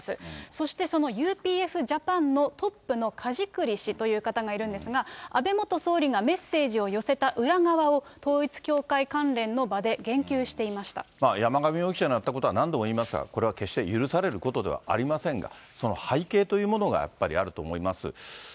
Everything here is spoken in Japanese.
そしてそのＵＰＦジャパンのトップの梶栗氏という方がいるんですが、安倍元総理がメッセージを寄せた裏側を統一教会関連の場で言及し山上容疑者のやったことは、何度も言いますが、これは決して許されることではありませんが、その背景というものがやっぱりあると思います。